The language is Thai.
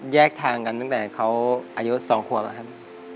แยกทางกันตั้งแต่เขาอายุ๒ครับครับ